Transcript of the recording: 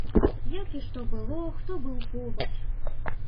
Як і што было, хто быў побач.